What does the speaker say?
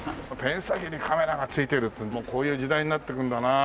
ペン先にカメラが付いてるってもうこういう時代になっていくんだなあ。